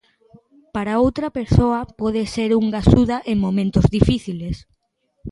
Para outra persoa pode ser unha axuda en momentos difíciles.